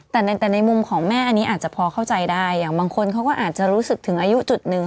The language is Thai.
แต่ในแต่ในมุมของแม่อันนี้อาจจะพอเข้าใจได้อย่างบางคนเขาก็อาจจะรู้สึกถึงอายุจุดหนึ่ง